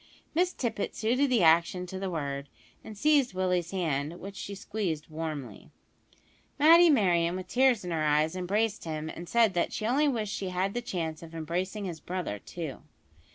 Miss Tippet suited the action to the word, and seized Willie's hand, which she squeezed warmly. Matty Merryon, with tears in her eyes, embraced him, and said that she only wished she had the chance of embracing his brother, too.